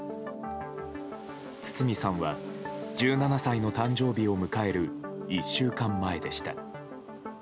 堤さんは１７歳の誕生日を迎える１週間前でした。